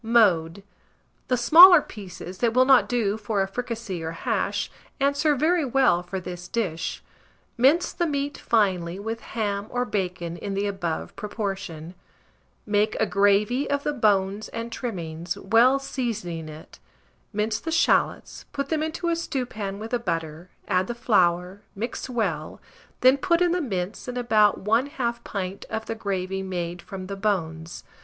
Mode. The smaller pieces, that will not do for a fricassée or hash, answer very well for this dish. Mince the meat finely with ham or bacon in the above proportion; make a gravy of the bones and trimmings, well seasoning it; mince the shalots, put them into a stewpan with the butter, add the flour; mix well, then put in the mince, and about 1/2 pint of the gravy made from the bones.